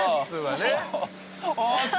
すごい。